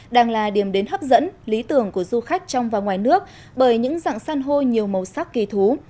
đang là điểm đến hấp dẫn lý tưởng của du khách trong và ngoài nước bởi những dạng san hô nhiều màu sắc kỳ thú